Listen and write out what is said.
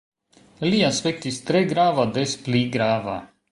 Li aspektis tre grava, des pli grava.